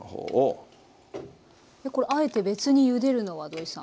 これあえて別にゆでるのは土井さん。